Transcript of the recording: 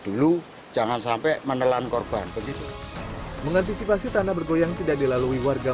dulu jangan sampai menelan korban begitu mengantisipasi tanah bergoyang tidak dilalui warga